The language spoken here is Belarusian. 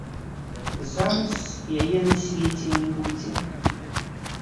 Зараз яе на свеце не будзе.